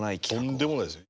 とんでもないですよ。